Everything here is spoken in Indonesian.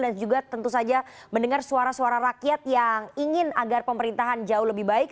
dan juga tentu saja mendengar suara suara rakyat yang ingin agar pemerintahan jauh lebih baik